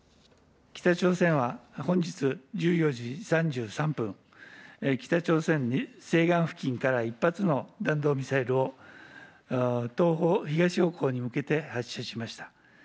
北朝鮮は本日１４時３３分、北朝鮮西岸付近から１発の弾道ミサイルを東方、東方向に向けて、発射しました。